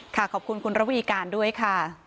ขอบคุณคุณระวีการด้วยค่ะ